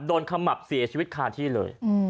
ขมับเสียชีวิตคาที่เลย